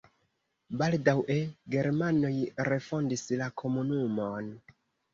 Baldaŭe germanoj refondis la komunumon.